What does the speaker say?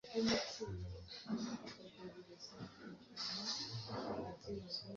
mpeta zometseho zahabukugira ngo ushishikarize